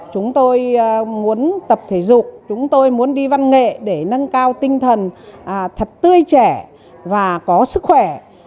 chúng tôi muốn tập thể dục chúng tôi muốn đi văn nghệ để nâng cao tinh thần thật tươi trẻ và có sức khỏe